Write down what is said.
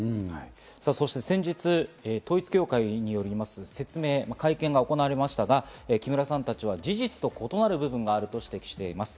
先日、統一教会によります会見が行われましたが、木村さんたちは事実と異なる部分があると指摘しています。